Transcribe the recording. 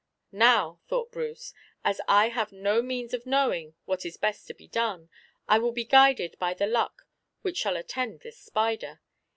"Now," thought Bruce, "as I have no means of knowing what is best to be done, I will be guided by the luck which shall attend this spider.